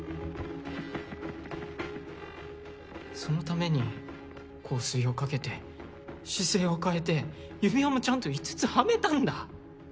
そのために香水をかけて姿勢を変えて指輪もちゃんと５つはめたんだ。